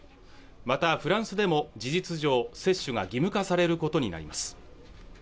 またフランスでも事実上接種が義務化されることになります